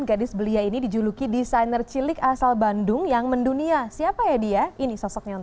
gadis belia ini dijuluki desainer cilik asal bandung yang mendunia siapa ya dia ini sosok yang